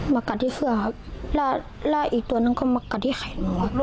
มากัดที่เสื้อครับแล้วอีกตัวนั้นก็มากัดที่แขน